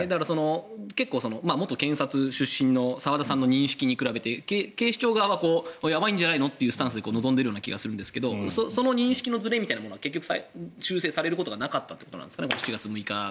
結構、元検察出身の澤田さんの認識に比べて警視庁側はやばいんじゃないの？ってスタンスで臨んでいるような気がするんですがその認識のずれは修正されることはなかったということですかね。